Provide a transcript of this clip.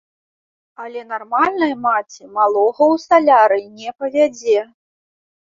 Але нармальная маці малога ў салярый не павядзе.